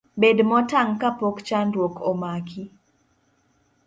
Bed motang' kapok chandruok omaki.